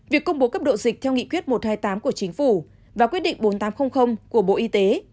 việc công bố cấp độ dịch theo nghị quyết một trăm hai mươi tám của chính phủ và quyết định bốn nghìn tám trăm linh của bộ y tế